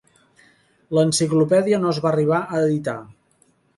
L'enciclopèdia no es va arribar a editar.